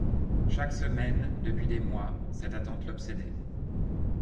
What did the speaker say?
Chaque semaine, depuis des mois, cette attente l'obsédait.